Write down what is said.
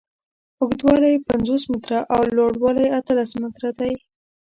اوږدوالی یې پنځوس متره او لوړوالی یې اتلس متره دی.